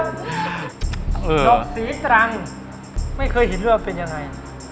ดอกสีตรังไม่เคยเห็นว่าเป็นยังไง